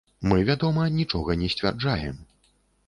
Мы, вядома, нічога не сцвярджаем.